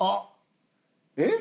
えっ？